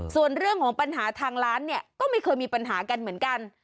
ส่วนเรื่องของปัญหาทางร้านเนี่ยก็ไม่เคยมีปัญหากันเหมือนกัน